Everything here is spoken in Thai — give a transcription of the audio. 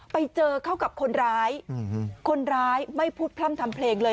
ไปเจอเข้ากับคนร้ายคนร้ายไม่พูดพร่ำทำเพลงเลย